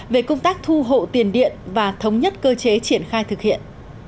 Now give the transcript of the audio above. về công tác thu hộ tiền điện và thống nhất cơ chế triển khai thực hiện